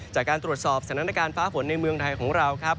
จากการตรวจสอบสถานการณ์ฟ้าฝนในเมืองไทยของเราครับ